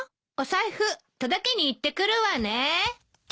お財布届けに行ってくるわね。